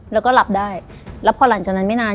แล้วก็หลับได้แล้วพอหลังจากนั้นไม่นาน